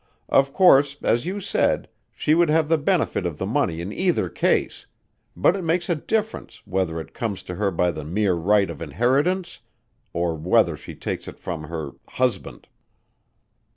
"Of course, as you said, she would have the benefit of the money in either case; but it makes a difference whether it comes to her by the mere right of inheritance, or whether she takes it from her husband."